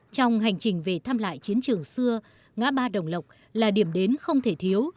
trong hành trình về thăm lại chiến trường xưa ngã ba đồng lộc là điểm đến không thể thiếu